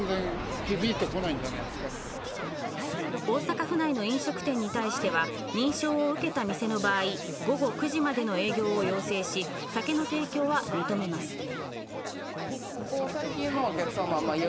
大阪府内の飲食店に対しては認証を受けた店の場合、午後９時までの営業を要請し、酒の提供は認めます。